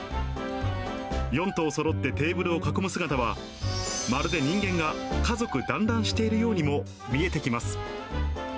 ４頭そろってテーブルを囲む姿は、まるで人間が家族団らんしているようにも見えてきます。